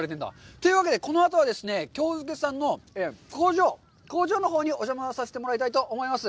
というわけで、このあとはですね、ＫＹＯＺＵＫＥさんの工場、工場のほうにお邪魔させてもらいたいと思います。